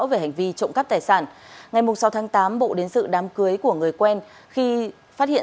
về hành vi trộm cắp tài sản